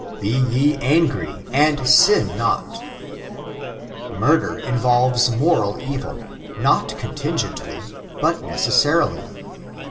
*< Be ye angry and sin not" Murder involves moral evil; not contingently, but necessarily.